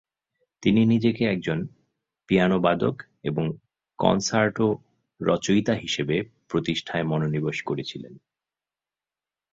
তিনি নিজেকে একজন পিয়ানোবাদক এবং কন্সার্টো রচয়িতা হিসেবে প্রতিষ্ঠায় মনোনিবেশ করেছিলেন।